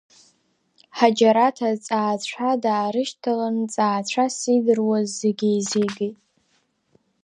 Ҳаџьараҭ аҵаацәа даарышьҭалан ҵаацәас иидыруаз зегь еизигеит.